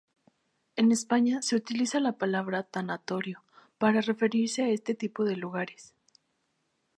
En España se utiliza la palabra tanatorio para referirse a este tipo de lugares.